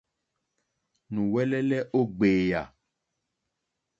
Nù wɛ́lɛ́lɛ́ ó ɡbèyà.